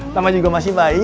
sama juga masih bayi